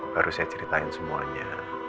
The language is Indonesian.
baru saya ceritain semuanya